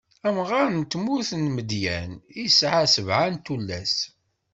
Amɣaṛ n tmurt n Midyan isɛa sebɛa n tullas.